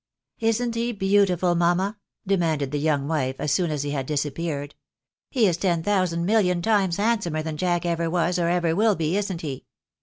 " Isn't he beautiful, mamma ?" demanded the young wife, as soon as he had disappeared. " He is ten thousand million times; handsomer than Jack ever was or ever will be, isn't he